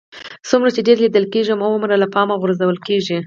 څومره چې ډېر لیدل کېږئ هغومره له پامه غورځول کېږئ